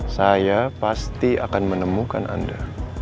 saya pasti akan menemukan anda